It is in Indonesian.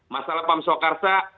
masalah pamswa karsa